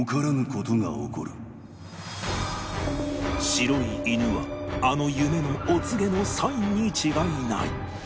白い犬はあの夢のお告げのサインに違いない